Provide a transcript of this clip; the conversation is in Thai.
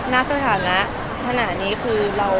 ในสถานทนานี้คือ